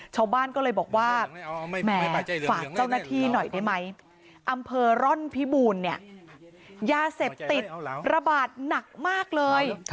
ชาวบ้านก็เลยบอกว่าแหมฝากเจ้าหน้าที่หน่อยได้ไหมอำเภอร่อนพิบูรณ์เนี่ยยาเสพติดระบาดหนักมากเลย